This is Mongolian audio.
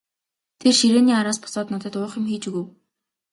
Тэр ширээний араас босоод надад уух юм хийж өгөв.